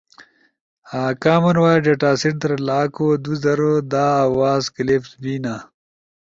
کامن وائس ڈیٹا سیٹ در لاکھو دو زرو دا آواز کلپس بینا